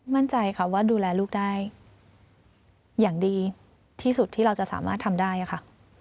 มั่นใจค่ะว่าดูแลลูกได้อย่างดีที่สุดที่เราจะสามารถทำได้ค่ะ